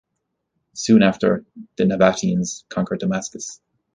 Soon after, the Nabateans conquered Damascus.